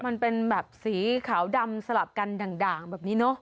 สลับสีขาวดำสลับกันด่างแบบนี้เนอะ